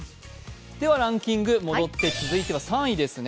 では、ランキングに戻って、続いては３位ですね。